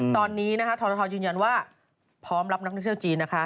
ตอนนี้นะคะทรทยืนยันว่าพร้อมรับนักท่องเที่ยวจีนนะคะ